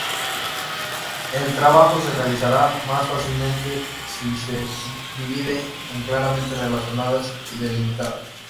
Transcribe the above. El trabajo se realizará más fácilmente si se subdivide en claramente relacionadas y delimitadas.